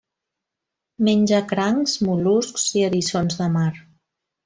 Menja crancs, mol·luscs i eriçons de mar.